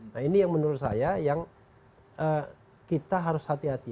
nah ini yang menurut saya yang kita harus hati hati